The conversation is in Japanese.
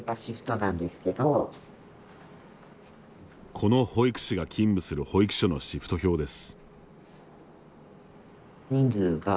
この保育士が勤務する保育所のシフト表です。